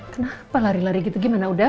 kenapa lari lari gitu gimana udah